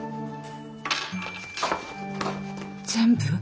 全部？